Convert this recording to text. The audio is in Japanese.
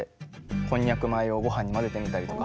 こんにゃく米をごはんに混ぜてみたりとか。